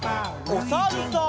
おさるさん。